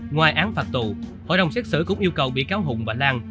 ngoài án phạt tù hội đồng xét xử cũng yêu cầu bị cáo hùng và lan